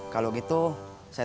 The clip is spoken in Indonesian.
kamu tim draw